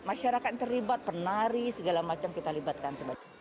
masyarakat terlibat penari segala macam kita libatkan